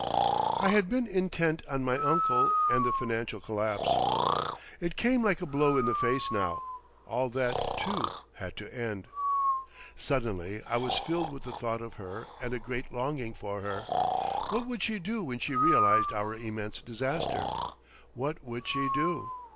I had been intent on my uncle and the financial collapse. It came like a blow in the face now; all that, too, had to end! Suddenly I was filled with the thought of her and a great longing for her. What would she do when she realised our immense disaster? What would she do?